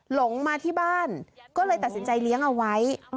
หลงมาที่บ้านก็เลยตัดสินใจเลี้ยงเอาไว้